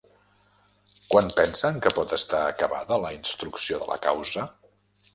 Quan pensen que pot estar acabada la instrucció de la causa?